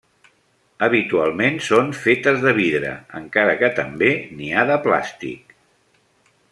Habitualment són fetes de vidre, encara que també n'hi ha de plàstic.